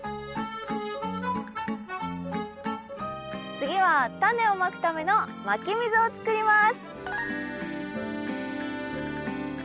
次はタネをまくためのまき溝をつくります。